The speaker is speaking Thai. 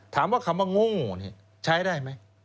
ถามว่าคำว่าโง่นี่ใช้ได้ไหม